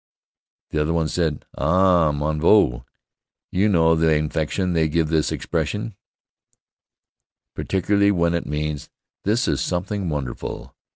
The other one said, "Ah, mon vieux!" You know the inflection they give this expression, particularly when it means, "This is something wonderful!"